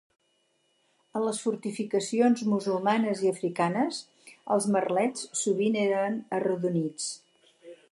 En les fortificacions musulmanes i africanes, els merlets sovint eren arrodonits.